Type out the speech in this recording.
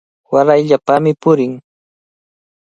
Warayllapami purin.